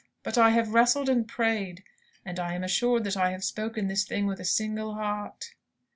But I have wrestled and prayed; and I am assured that I have spoken this thing with a single heart."